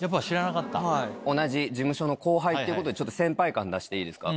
同じ事務所の後輩っていうことでちょっと先輩感出していいですか。